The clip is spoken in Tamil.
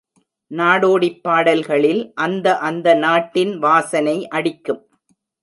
நாடோடிப் பாடல்களில் அந்த அந்த நாட்டின் வாசனை அடிக்கும்.